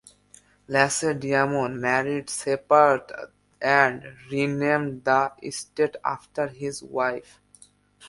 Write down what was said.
Lacedaemon married Sparta and renamed the state after his wife.